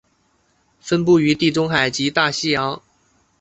分布于地中海及东大西洋。